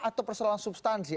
atau persoalan substansi